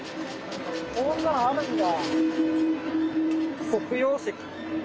こんなんあるんだ。